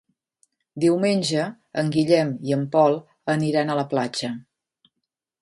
Diumenge en Guillem i en Pol aniran a la platja.